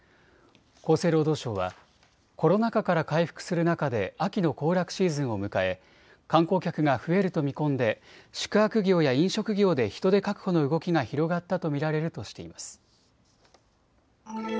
厚生労働省はコロナ禍から回復する中で秋の行楽シーズンを迎え観光客が増えると見込んで宿泊業や飲食業で人手確保の動きが広がったと見られるとしています。